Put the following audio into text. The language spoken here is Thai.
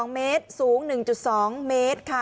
๒เมตรสูง๑๒เมตรค่ะ